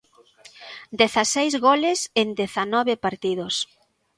Dezaseis goles en dezanove partidos.